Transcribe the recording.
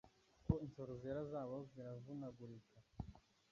Kuko insoro zera zabo ziravunagurika